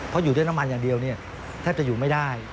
เพราะอยู่ด้วยน้ำมันอย่างเดียวเนี่ยแทบจะอยู่ไม่ได้